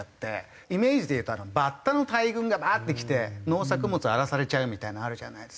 イメージでいうとバッタの大群がバッて来て農作物荒らされちゃうみたいなのあるじゃないですか。